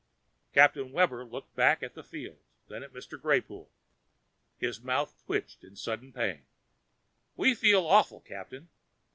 Captain Webber looked back at the fields, then at Mr. Greypoole. His mouth twitched in sudden pain. "We feel awful, Captain!"